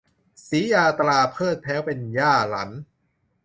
สียาตราเพริศแพร้วเป็นย่าหรัน